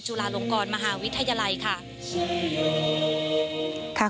จุฬาลงกรมหาวิทยาลัยค่ะ